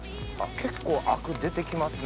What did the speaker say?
結構アク出て来ますね。